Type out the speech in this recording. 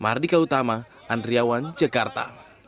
mardika utama andriawan jakarta